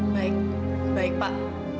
baik baik pak